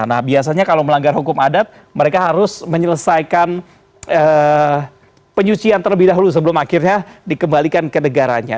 nah biasanya kalau melanggar hukum adat mereka harus menyelesaikan penyucian terlebih dahulu sebelum akhirnya dikembalikan ke negaranya